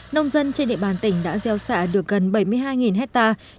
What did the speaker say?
nông dân trên địa bàn tỉnh đã gieo xạ được gần bảy mươi hai hectare